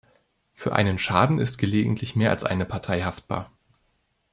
Für einen Schaden ist gelegentlich mehr als eine Partei haftbar.